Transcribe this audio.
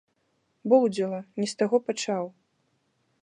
Боўдзіла, не з таго пачаў.